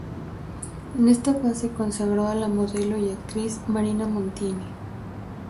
En esta fase consagró a la modelo y actriz Marina Montini.